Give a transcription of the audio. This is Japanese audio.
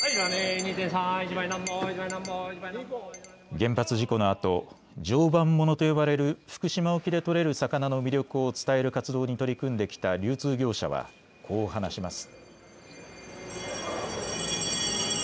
原発事故のあと常磐ものと呼ばれる福島沖でとれる魚の魅力を伝える活動に取り組んできた流通業者はこう話します。